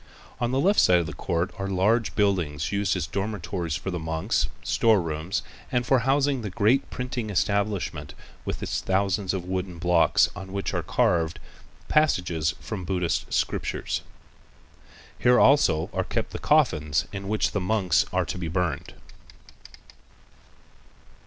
On the left side of the court are large buildings used as dormitories far the monks, storerooms, and for housing the great printing establishment with its thousands of wooden blocks on which are carved passages from the Buddhist scriptures. Here also are kept the coffins in which the monks are to be burned.